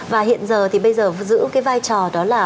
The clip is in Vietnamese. và hiện giờ thì bây giờ giữ cái vai trò đó là